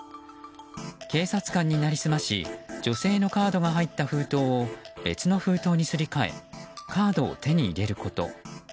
警察官に成り済まし女性のカードが入った封筒を別の封筒にすり替えカードを手に入れること。